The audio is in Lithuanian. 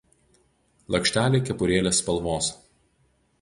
Lakšteliai kepurėlės spalvos.